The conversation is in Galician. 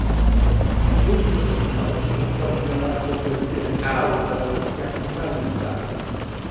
Un dosificador con fórmula para converter a auga da billa marinizada.